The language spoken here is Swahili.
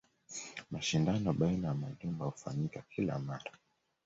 Mashindano baina ya majumba hufanyika kila mara.